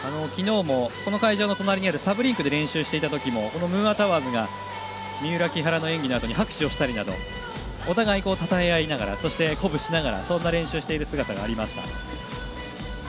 昨日もこの会場の隣にあるサブリンクで練習したときもムーアタワーズが三浦、木原の演技などに拍手をしたりなどお互いたたえ合いながらそして、鼓舞しながら練習している姿がありました。